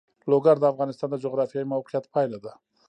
لوگر د افغانستان د جغرافیایي موقیعت پایله ده.